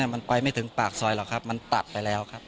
มันไปไม่ถึงปากซอยหรอกครับมันตัดไปแล้วครับ